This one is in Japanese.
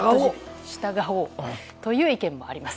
従おうという意見もあります。